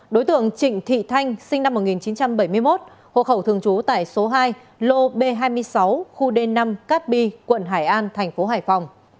đối tượng trịnh thị thanh sinh năm một nghìn chín trăm bảy mươi một hộ khẩu thường trú tại số hai lô b hai mươi sáu khu d năm cát bi quận hải an thành phố hải phòng